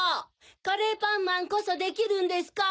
カレーパンマンこそできるんですか？